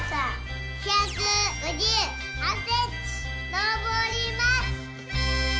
のぼります！